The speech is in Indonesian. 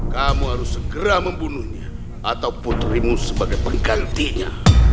kamu harus segera membunuhnya atau putrimu sebagai penggantinya